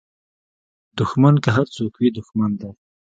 دوښمن که هر څوک وي دوښمن دی